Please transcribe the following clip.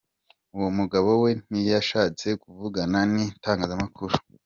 Uwo mugabo we ntiyashatse kuvugana n’itangazmakuru.